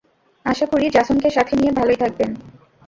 আশা করি, জ্যাসনকে সাথে নিয়ে ভালোই থাকবেন।